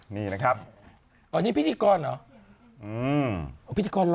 นี่นะครับเพียงพิธียิกรหรอ